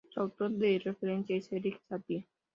Su autor de referencia es Erik Satie.